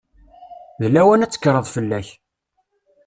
D lawan ad tekkreḍ fell-ak.